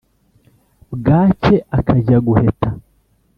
bwacye ákajya guheta